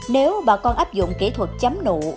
nếu bà con áp dụng kỹ thuật chấm nụ